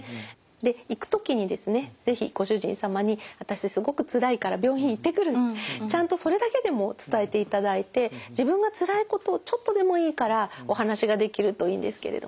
で行く時にですね是非ご主人様に私すごくつらいから病院へ行ってくるってちゃんとそれだけでも伝えていただいて自分がつらいことをちょっとでもいいからお話ができるといいんですけれどもね。